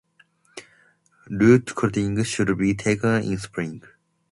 Root cuttings should be taken in spring.